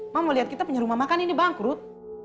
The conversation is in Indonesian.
mama mau lihat kita punya rumah makan ini bangkrut